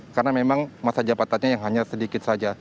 karena memang masa jabatannya yang hanya sedikit saja